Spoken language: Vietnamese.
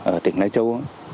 ở tỉnh lai châu